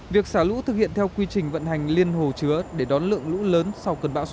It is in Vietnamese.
việc xả lũ thực hiện theo quy trình vận hành liên hồ chứa để đón lượng lũ lớn sau cơn bão số năm